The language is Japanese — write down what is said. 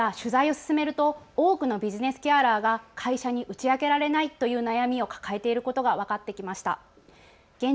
ただ取材を進めると多くのビジネスケアラーが会社に打ち明けられないという悩みを抱えていることが分かってきました。